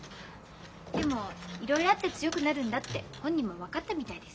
でもいろいろあって強くなるんだって本人も分かったみたいです。